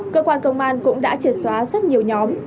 cơ quan công an cũng đã triệt xóa rất nhiều nhóm